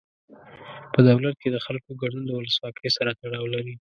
په دولت کې د خلکو ګډون د ولسواکۍ سره تړاو لري.